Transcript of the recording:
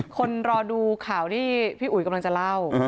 คนรอดูข่าวที่พี่อุ๋ยกำลังจะเล่า